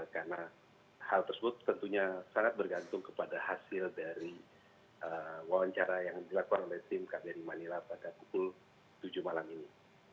karena hal tersebut tentunya sangat bergantung kepada hasil dari wawancara yang dilakukan oleh tim kbri manila pada pukul tujuh malam ini